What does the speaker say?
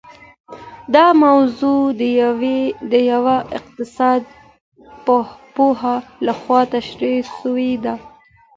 دا موضوع د يوه اقتصاد پوه لخوا تشرېح سوې ده.